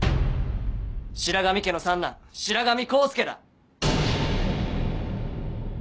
白神家の三男・白神黄介だ！